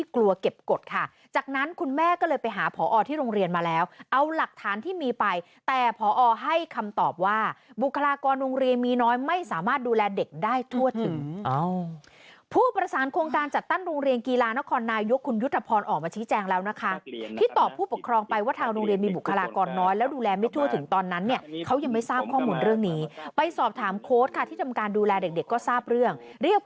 ก็ให้คำตอบว่าบุคลากรโรงเรียนมีน้อยไม่สามารถดูแลเด็กได้ทั่วถึงผู้ประสานควงการจัดตั้นโรงเรียนกีฬานครนายุคคุณยุทธพรออกมาชิคแจงแล้วนะคะที่ตอบผู้ปกครองไปว่าทางโรงเรียนมีบุคลากรน้อยแล้วดูแลไม่ทั่วถึงตอนนั้นเนี่ยเขายังไม่ทราบข้อมูลเรื่องนี้ไปสอบถามโค้ชค่ะที่ทำการดูแลเด็กก็ทราบเรื่อง